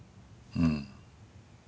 うん！？